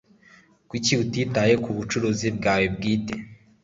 Kuki utitaye kubucuruzi bwawe bwite?